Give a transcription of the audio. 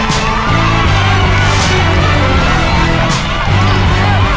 สวัสดีครับ